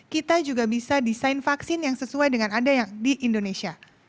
kita juga bisa desain vaksin yang sesuai dengan ada yang di indonesia